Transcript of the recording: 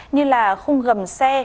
như là khung gầm xe